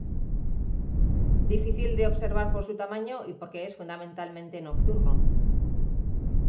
Difícil de observar por su tamaño y porque es fundamentalmente nocturno.